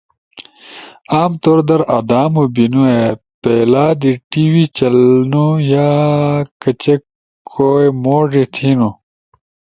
عام طور در آدامو بینو اے پیلا دی ٹی وی چلنو یا کچے کوئی موڙی تھینو۔